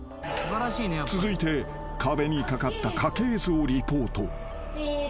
［続いて壁にかかった家系図をリポート］